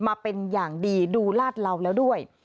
มาเป็นอย่างดีดูลาดเหลาแล้วด้วย